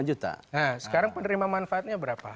nah sekarang penerima manfaatnya berapa